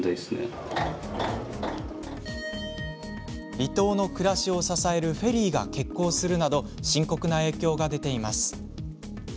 離島の暮らしを支えるフェリーが欠航するなど深刻な影響が出ています。